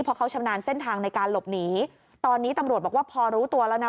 เพราะเขาชำนาญเส้นทางในการหลบหนีตอนนี้ตำรวจบอกว่าพอรู้ตัวแล้วนะ